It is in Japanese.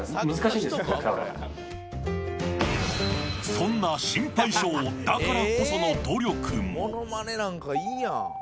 そんな心配症だからこその努力も。